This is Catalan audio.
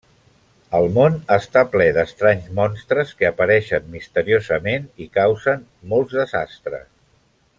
El món està ple d'estranys monstres que apareixen misteriosament i causen molts desastres.